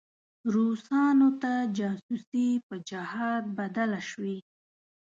روسانو ته جاسوسي په جهاد بدله شوې.